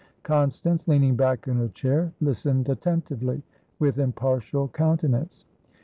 Constance, leaning back in her chair, listened attentively, with impartial countenance.